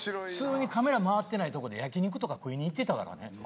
普通にカメラ回ってないとこで焼き肉とか食いに行ってたからね。